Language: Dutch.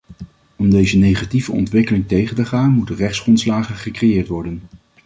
Om deze negatieve ontwikkeling tegen te gaan moeten rechtsgrondslagen gecreëerd worden.